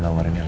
dari siapa pak